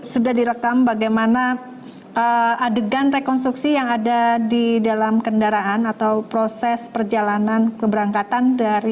sudah direkam bagaimana adegan rekonstruksi yang ada di dalam kendaraan atau proses perjalanan keberangkatan dari